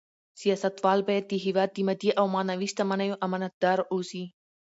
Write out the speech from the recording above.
سیاستوال باید د هېواد د مادي او معنوي شتمنیو امانتدار اوسي.